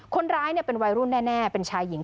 คนร้ายเป็นวัยรุ่นแน่เป็นชายหญิง